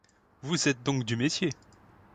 Vous êtes donc du métier?